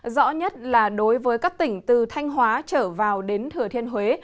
rõ nhất là đối với các tỉnh từ thanh hóa trở vào đến thừa thiên huế